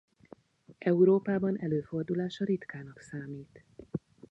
Európában előfordulása ritkának számít.